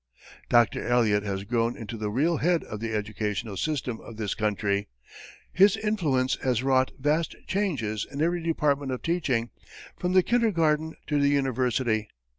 Dr. Eliot has grown into the real head of the educational system of this country; his influence has wrought vast changes in every department of teaching, from the kindergarten to the university.